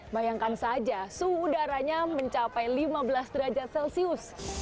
bayangkan saja suhu udaranya mencapai lima belas derajat celcius